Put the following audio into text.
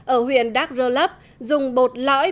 ở huyện đắk rơ lấp dùng bột lõi